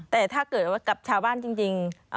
แต่ถ้าเกิดว่ากับชาวบ้านจริง